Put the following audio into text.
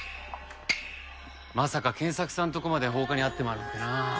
まさか賢作さんのとこまで放火に遭ってまうなんてなあ。